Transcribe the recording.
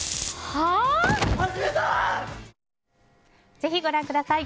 ぜひご覧ください。